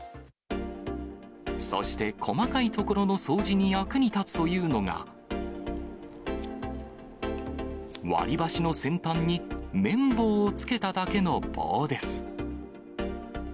そして細かい所の掃除に役に立つというのが、割り箸の先端に綿棒をつけただけの棒です。